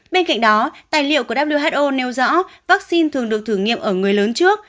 bên cạnh đó tài liệu của who nêu rõ vắc xin thường được thử nghiệm ở người lớn trước